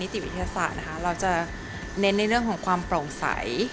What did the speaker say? แล้วก็ดูดสารละลายเข้าไปใช้ในการตกวิเคราะห์